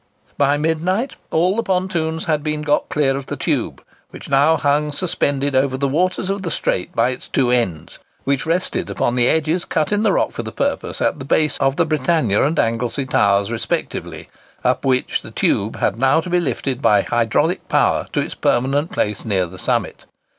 By midnight all the pontoons had been got clear of the tube, which now hung suspended over the waters of the Strait by its two ends, which rested upon the edges cut in the rock for the purpose at the base of the Britannia and Anglesey towers respectively, up which the tube had now to be lifted by hydraulic power to its permanent place near the summit.